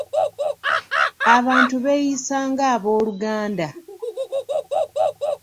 Abantu beeyisa nga abooluganda.